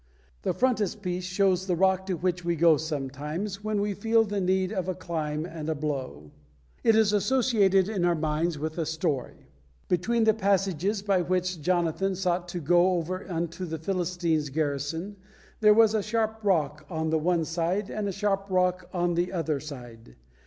The frontispiece shows the rock to which we go sometimes when we feel the need of a climb and a blow. It is associated in our minds with a story: "Between the passages by which Jonathan sought to go over unto the Philistines' garrison there was a sharp rock on the one side and a sharp rock on the other side.